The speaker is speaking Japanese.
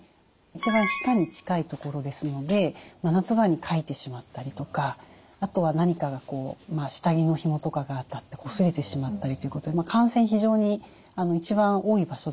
一番皮下に近い所ですので夏場にかいてしまったりとかあとは何かがこう下着のひもとかが当たってこすれてしまったりっていうことで感染非常に一番多い場所だったんですね。